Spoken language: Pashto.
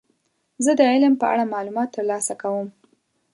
زه د علم په اړه معلومات ترلاسه کوم.